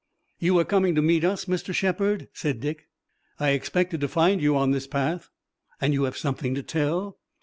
"You were coming to meet us, Mr. Shepard?" said Dick. "I expected to find you on this path." "And you have something to tell?"